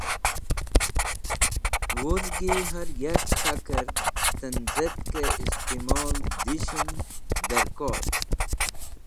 Wudhgi har yark k̃hakẽr tẽnzẽtkẽ istimol dishẽn dẽrkor.